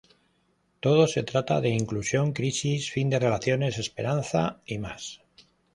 Todo se trata de inclusión, crisis, fin de relaciones, esperanza y más.